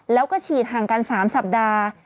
แล้วก็ฉีดห่างกัน๓สัปดาห์